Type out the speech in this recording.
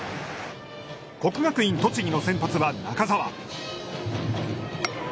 国学院栃木の先発は中沢。